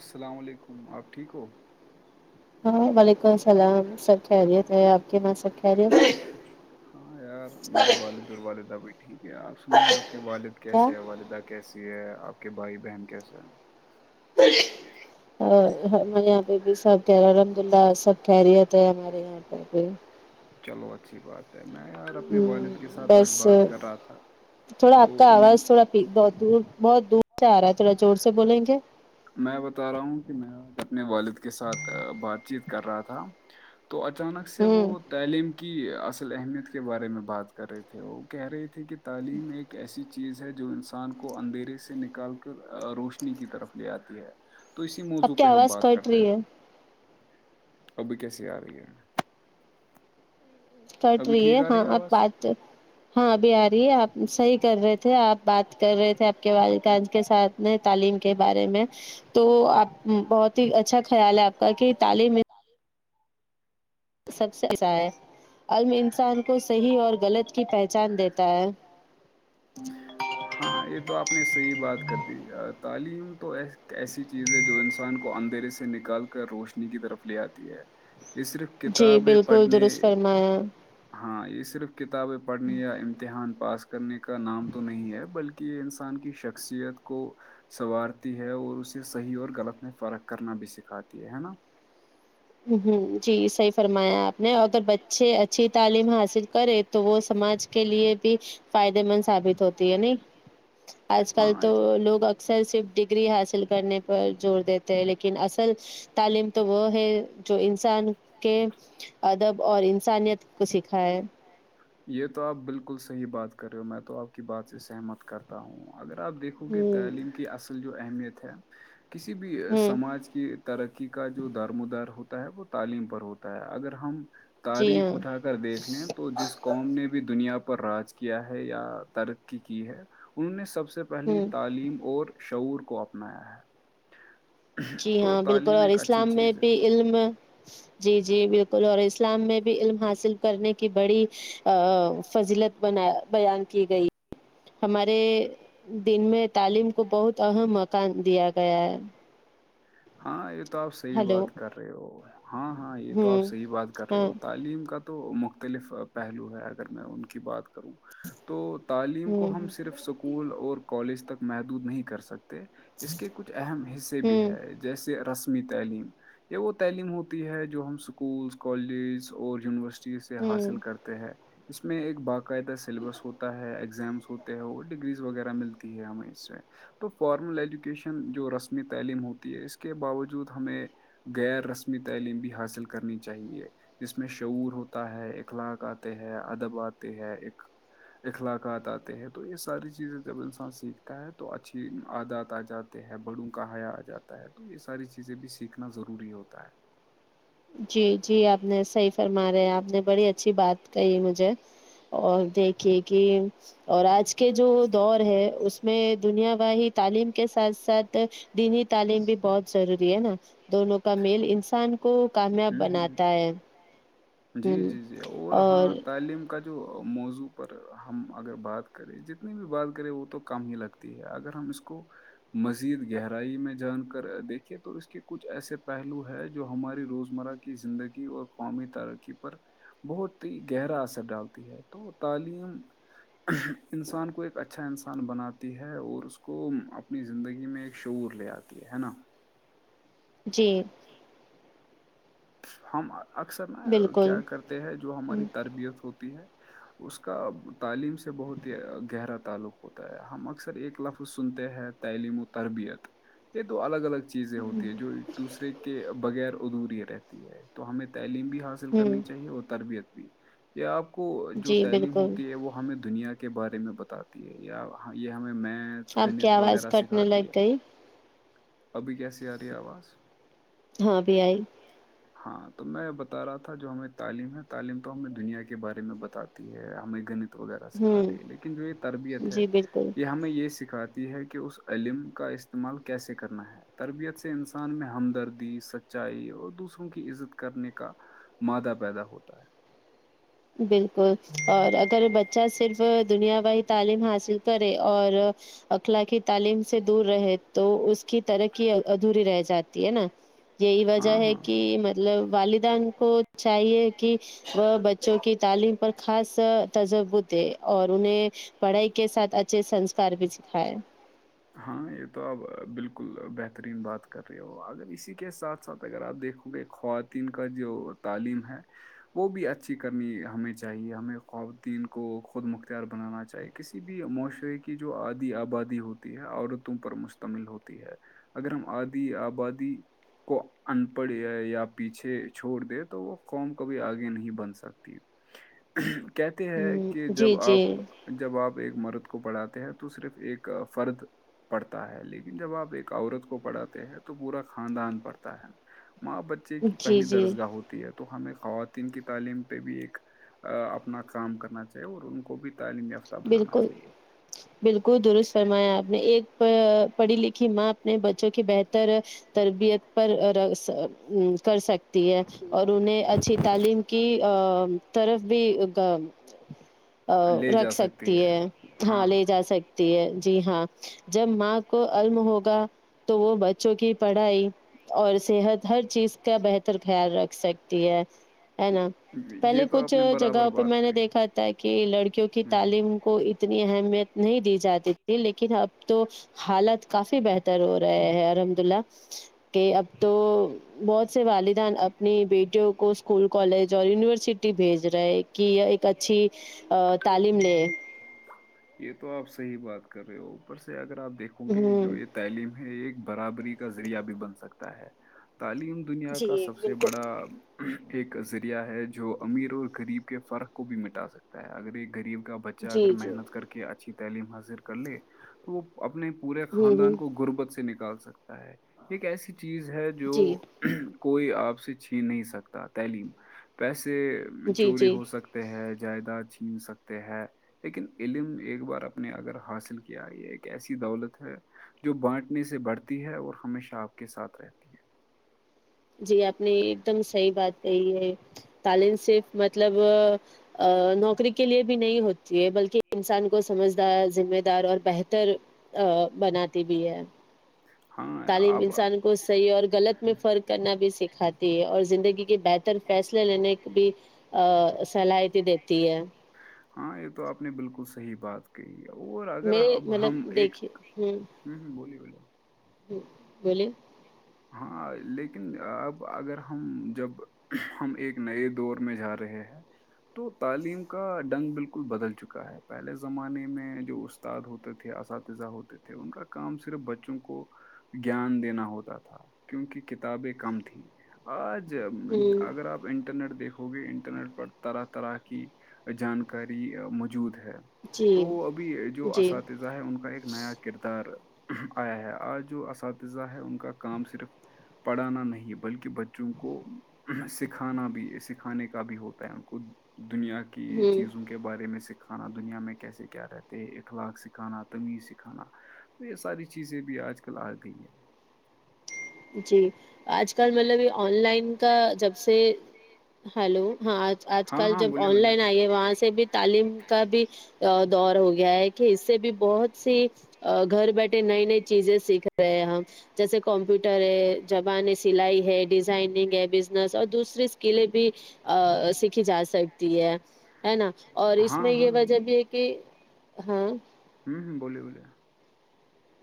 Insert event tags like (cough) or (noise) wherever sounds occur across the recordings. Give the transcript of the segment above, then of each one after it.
السلام علیکم آپ ٹھیک ہو ہاں وعلیکم السلام سب خیریت ہے آپ کی وہاں سب خہریت ہاں یار میرے والد اور والدہ بھی ٹھیک ہے آپ سنی آپ کے والد کیسے ہے والدہ کیسی ہے آپ کے بھائی بہن کیسے ہیں اور میں یہاں پہ بھی سب کہہ الحمد اللہ سب کیریت ہے ہمارے یہاں پہ بھی چلو اچھی بات ہے میں یار اپنے والد کے ساتھ آج بات کر رہا تھا تو ان بہت دور بہت دور سے آ رہا ہے تھوڑا زور سے بولیں گے میں بتا رہا ہوں کہ میں آج اپنے والد کے ساتھ بات چیت کر رہا تھا تو اچانک سے وہ تعلیم کی اصل اہمیت کے بارے میں بات کر رہے تھے وہ کہہ رہے تھے کہ تعلیم ایک ایسی چیز ہے جو انسان کو اندھیرے سے نکال کر روشنی کی طرف لے آتی ہے تو اسی موضوع پہ ہم بات کرتے ہیں ابھی کیسیے آ رہی ہے کٹ رہی ہے ہاں اب بات ہاں ابھی آ رہی ہے آپ صحیح کر رہے تھے آپ بات کر رہے تھے آپ کے والکانج کے ساتھ تعلیم کے بارے میں تو آپ بہت ہی اچھا خیال ہے آپ کا کہ تعلیم سب سے ایسا ہے عم انسان کو صحیح اور غلط کی پہچان دیتا ہے ہ ہاں یہ تو آپ نے صحیح بات کر دی تعلیم تو ایسی چیز ہے جو انسان کو اندھیرے سے نکال کر روشنی کی طرف لے آتی ہے یہ صرف کتابیں پڑھنے ہاں ہاں یہ صرف کتابیں پڑھنے یا امتحان پاس کرنے کا نام تو نہیں ہے بلکہ کہ انسان کی شخصیت کو سنوارتی ہے اور اسے صحیح اور غلط میں فرق کرنا بھی سکھاتی ہے ہے نا ہ ہوں جی صحیح فرمایا آپ نے اگر بچے اچھی تعلیم حاصل کرے تو وہ سماج کے لیے بھی فائدے مند ثابت ہوتی ہے نہیں آج کل تو لوگ اکثر سےرف ڈگری حاصل کرنے پر زور دیتے ہیں لیکن اصل تعلیم تو وہ ہے جو انسان کے ادب اور انسانیت کو سکھا ہے یہ تو آپ بالکل صحیح بات کر رہے ہو میں تو آپ کی بات سے سہمت کرتا ہوں اگر آپ دیکھو گ تعلیم کی اصل جو اہمیت ہے کسی بھی سماج کہ ترقی کا جو دارمودار ہوتا ہے وہ تعلیم پر ہوتا ہے اگر ہم تاریخ اٹا کر دیکھ لیں تو جس قوم نے بھی دنیا پر راج کیا ہے یا ترقی کی ہے انہوں نے سب سے پہلی تعلیم اور شعور کو اپنایا ہے ہاں بالکل اور اسلام میں بھی علم جی جی بالکل اور اسلام میں بھی علم حاصل کرنے کی بڑی ا فضیلت بنا بیان کی گئی ہمارے دن میں تعلیم کو بہت اہم مقع دیا گیا ہے ہاں یہ تو آپ صحیح بات کر رہے ہو ہاں ہاں یہ تو آپ صحیح بات کر رہے ہو تعلیم کا تو مختلف پہلو ہے اگر میں ان کی بات کروں تو تعلیم کو ہم صرف اسکول اور کالج تک محدود نہیں کر سکتے اس کے کچھ اہم حصے بھی ہے جیسے رسمی تعلیم یہ وہ تعلیم ہوتی ہے جو ہم اسکولس کالز اور یونیورسٹی چیز سے حاصل کرتے ہیں اس میں ایک باقاعدہ سلیبس ہوتا ہے ایگزامس ہوتا وہ ڈگریز وغیرہ ملتی ہے ہمیں اس سے تو فارمل ایجوکیشن جو رسمی تعلیم ہوتی ہے اس کے باوجود ہمیں غیر رسمی تعلیم بھی حاصل کرنی چاہیے جس میں شعور ہوتا ہے اخلاق آتے ہے ادب آتے ہے ایک اخلاقات آتے ہیں تو یہ ساری چیزیں جب انسان سیکھتا ہے تو اچھی عادات آ جات بڑوں کا ہایا آ جاتا ہے تو یہ ساری چیزیں بھی سیکھنا ضروری ہوتا ہے جی جی آپ نے صحیح فرما رہے آپ نے بڑی اچھی بات کہی مجھے اور دیکھیے کہ اور آج کے جو دور ہے اس میں دنیا باہی تعلیم کے ساتھ ساتھ دینی تعلیم بھی بہت ضروری ہے نا دونوں کا میل انسان کو ہمیں اب بناتا ہے جی جی جی اور ہاں تعلیم کا جو موضوع پر ہم اگر بات کریں جتنی بھی بات کریں وہ تو کم ہی لگتی ہے اگر ہم اس کو کو مزید گہرائی میں جان کر دیکھیے تو اس کے کچھ ایسے پہلو ہیں جو ہماری روزمرہ کے کی زندگی اور قومی ترقی پر بہت ہی گہرا اثر ڈالتی ہے تو تعلیم انسان کو ایک اچھا انسان بناتی ہے اور اس کو کو اپنی زندگی میں ایک شعور لے آتی ہے نا جی جی ہم اکثر نا کیا کرتے ہیں جو ہماری تربیت ہوتی ہے اس کا تعلیم سے بہت ہی گہرا تعلق ہوتا ہے ہم اکثر ایک لفظ سنتے ہیں تعلیم و تربیت یہ تو الگ الگ چیزیں ہوتی ہیں جو ایک دوسرے کے بغیر ادھوری رہتی ہے تو ہمیں تعلیم بھی حاصل حال کرنی چاہیے اور تربیت بھی یہ آپ کو جو تعلیم ہوتی ہے وہ ہمیں دنیا کے کے بارے میں بتاتی ہے یا یہ ہمیں میت گنت وغیرہ سکھاتی ہے ابھی کی س آ رہ آواز ہاں تو میں بتا رہا تھا جو ہمیں تعلیم ہے تعلیم تو ہمیں دنیا کے بارے میں بتاتی ہے ہمیں گنت وغیرہ سکھاتی لیکن جو یہ تربیت ہے یہ ہمیں یہ سکھاتی ہے کہ اس علم کا استعمال کیسے کرنا ہے تربیت سے انسان میں ہمدردی سچائی اور دوسروں کی عزت کرنے کا مادہ پیدا ہوتا ہے بالکل اور اگر بچہ صرف دنیا بی تعلیم حاصل کرے اور اخلاق تعلیم سے دور رہے تو اس کی ترقی ادھوری رہ جاتی ہے نا یہی وجہ ہے کہ مطلب والدان کو چاہیے کہ وہ جو کہ تعلیم پر خاص تجرب دے اور انہیں پڑھائی کے ساتھ اچھے سنسکار بھی سکھائے ہاں یہ تو اب بالکل بالکل بہترین بات کر رہے ہو اگر اسی کے ساتھ ساتھ اگر آپ دیکھو گے خواتین کا جو تعلیم ہے وہ بھی اچھی کرنی ہمیں چاہیے ہمیں خودین کو خود مختار بنانا چاہیے کسی بھی معاشرے کی جو عادی آبادی ہوتی ہے عورتوں پر مشتمل ہوتی ہے اگر ہم آدی آبادی کو ان پڑھ ہے یا پیچھے چھوڑ دے تو وہ قوم کبھی آگے نہیں بن سکتی کہتے ہیں کہ جب آپ جب آپ ایک مرد کو پڑھاتے ہیں تو صرف ایک فرد پڑتا ہے لیکن جب آپ ایک عورت کو پڑھاتے ہیں تو پورا خاندان پڑھتا ہے ماں بچے ے کی پہلی درسگاہ ہوتی ہے تو ہمیں خواتین کی تعلیم پہ بھی ایک اپنا کام کرنا چاہیے اور ان کو بھی تعلیم یافتہ بنانا چاہیے بالکل درست فرمایا آپ نے ایک پڑھی لکھی ماں اپنے بچوں کی بہتر تربیت پر کر سکتی ہے اور انہیں اچھی تعلیم کی طرف بھی ا رکھ سکتی ہے ہاں لے جا سکتی ہے جی ہاں جب ماں کو اللم ہوگا تو وہ بچوں کی پڑھائی اور صحت ہر چیز کا بہتر خیال رکھ سکتی ہے ہے نا پہلے کچھ جگہوں پہ میں نے دیکھا تھا کہ لڑکیوں کی تعلیم ہم کو اتنی اہمیت نہیں دی جاتی ت لیکن اب تو حالات کافی بہتر ہو رہے ہے الحمد اللہ کہ اب تو بہت سے والدین اپنی بیٹیوں کو اسکول کالج اور یونیورسٹی بھیج رہے کہ یہ ایک اچھی تعلیم یہ تو آپ صحیح بات کر رہے ہو اوپر سے اگر آپ دیکھو گے جو یہ تعلیم ہے ایک برابری کا ذریعہ بھی بن سکتا ہے تعلیم دنیا کا سب سے بڑا ایک ذریعہ ہے جو امیر اور غریب کے فرق کو بھی مٹا سکتا ہے اگر ایک غریب کا بچہ اگر محنت کر کے اچھی تعلیم حاصل کر لے تو وہ اپنے پورے خاندان کو غربت سے نکال سکتا ہے ایک ایسی چیز ہے جو کوئی آپ سے چھین نہیں سکتا تعلیم پیسے چوری ہو سک ہے جائیداد چن سکتے ہیں لیکن علم ایک بار اپنے اگر حاصل کیا یہ ایک ایسی دولت ہے جو بانٹنے سے بڑھتی ہے اور ہمیشہ آپ کے ساتھ رہتی ہے جی آپ نے ایک دم صحیح بات کہی ہے تعلیم صف مطلب نوکری کے لیے بھی نہیں ہوتی ہے بلکہ انسان کو سمجھدار ذمہ دار اور بہتر ا بناتی بھی ہے تعلیم انسان کو صحیح اور غلط میں فرق کرنا بھی سکھاتی ہے اور زندگی کے بہتر فیصلے لینے کی بھی ا صلاحیتی دیتی ہے ہاں یہ تو آپ نے بالکل صحیح بات اور اگر اب ہم ایک ہ بولیے بلیے بلیے ہاں لیکن اب اگر ہم جب ہم ایک نئے دور میں جا رہے ہیں تو تعلیم کا ڈنگ بالکل بدل چکا ہے پہلے زمانے میں جو اس استاد ہوتے تھے اساتذہ ہوتے تھے ان کا کام صرف بچوں کو گیان دینا ہوتا تھا تھا کیونکہ کتابیں کم تھی آج اگر آپ انٹرنیٹ دیکھو گے انٹرنیٹ پر طرح طرح کی جانکاری موجود ہے تو ابھی جو اساتذ ان کا ایک نیا کردار آیا ہے آج جو اساتذہ ہے ان کا کام صرف پڑھانا نہیں بلکہ بچوں کو سکھانا بھی سکھانے کا بھی ہوتا ہے ان کو دنیا کی چیزوں کے کے بارے میں سکھانا دنیا میں کیسے کیا رہتے ہیں اخلاق سکھانا تمیز سکھانا تو یہ ساری چیزیں بھی آج کل آ گئی ہیں جی آج کل مطلب یہ آن لائن کا جب سے ہلو ہاں آج کل جب آن لائن آئی ہے وہاں سے بھی تعلیم کا بھی دور ہو گیا ہے کہ اس سے بھی بہت سی گھر بیٹھے نئی نئی چیزیں سیکھ ے ہم جیسے کمپیوٹر ہے زبان سلائی ہے ڈیزائننگ ہے بزنس اور دوسری اسکلیں بھی ا سیکھی جا سکتی ہے ہے نا اور اس میں یہ وجہ بھی ہے کہ ہاں ہوں ہ بولیے بولے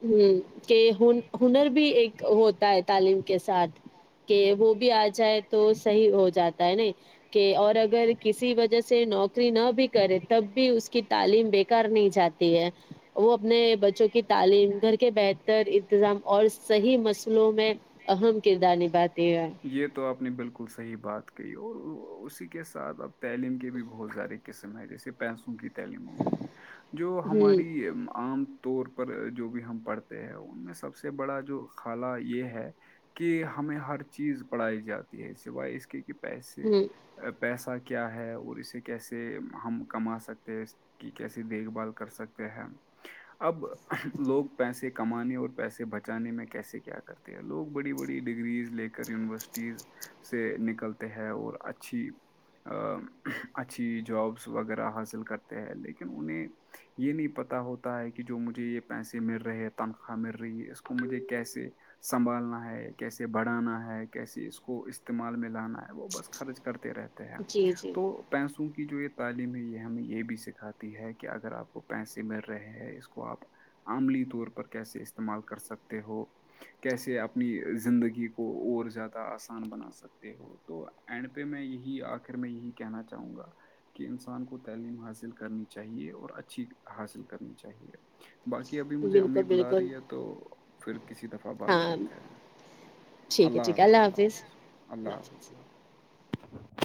ہ کہ ہنر بھی ایک ہوتا ہے تعلیم کے ساتھ کہ وہ بھی آ جائے تو صحیح ہو جاتا ہے نا کہ اور اگر کسی وجہ سے نوک نہ بھی کرے تب بھی اس کی تعلیم بےیکار نہیں جاتی ہے وہ اپنے بچوں کی تعلیم کر کےھ تر انتظام اور صحیح مسئلوں میں اہم کردار نبھاتے ہیں تو آپ نے بالکل صحیح بات کہی اور اسی کے ساتھ اب تعلیم کے بھی بہت زیادے م جیے پینسوں کی تعلیم ہ گی جو ہماری عام طور پر جو بھی ہم پڑھتے ان میں سب سے بڑا جو خالہ یہ ہے کہ ہمیں ہر چیز بڑھائی جاتی ہے سوائے اس کے کہ پیسے پیسہ کیا ہے اور اسے کیسے ہم کما سکتے ہیں کی کیسی دیکھ بھال کر سکتے ہیں اب لوگ پیسے کمانے اور پیسے بچانے میں کیسے کیا کرتے ہیں لوگ بڑی بڑی ڈگریز لے کر یونیورسٹیز سے نکلتے ہیں اور اچھی اچھی جابس وغیرہ حاصل کرتے ہیں لیکن انہیں یہ نہیں پتا ہوتا ہے کہ جو مجھے یہ پیسے مل رہے تنخواہ مل رہی ہے اس کو مجھے کیسے سنبھالنا ہے کیسے بڑھانا ہے کیسے اس کو استعمال میں لانا ہے وہ بس خرچ کرتے رہتے ہیں تو پیسوں کی جو یہ تعلیم ہے یہ ہمیں یہ بھی سکھاتی ہے کہ اگر آپ کو پیسے مل رہے ہیں اس کو آپ عملی طور پر کیسے استعمال کر سکتے ہو کیسے اپنی زندگی کو اور زیادہ آسان بنا سکتے ہو تو این پہ میں یہی آخر میں یہی کہنا چاہوں گا کہ انسان کو تعلیم حاصل کرنی چاہیے اور اچھی حاصل کرنی چاہیے باقی ابھی مجھے امی بلا رہی ہے تو پھر کسی دفعہ باد کرتے ہیں اللہ حافظ اللہ حاظ اللہ حافظ اللہ حافظ (unintelligible)